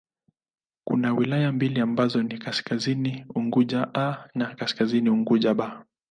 Kuna wilaya mbili ambazo ni Kaskazini Unguja 'A' na Kaskazini Unguja 'B'.